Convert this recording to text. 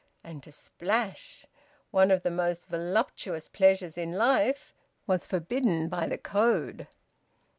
And to splash one of the most voluptuous pleasures in life was forbidden by the code.